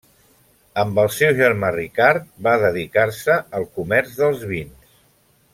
Amb el seu germà Ricard va dedicar-se al comerç dels vins.